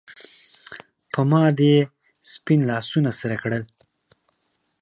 پۀ ما دې سپین لاسونه سرۀ کړل